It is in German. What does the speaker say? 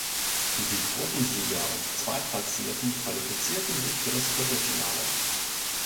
Die Gruppensieger und Zweitplatzierten qualifizierten sich für das Viertelfinale.